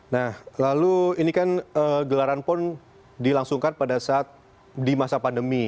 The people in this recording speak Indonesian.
nah lalu ini kan gelaran pon dilangsungkan pada saat di masa pandemi